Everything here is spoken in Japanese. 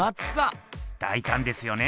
大たんですよね！